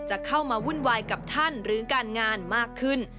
จะเข้ามาวุ่นวายกับท่านหรือการงานมากขึ้น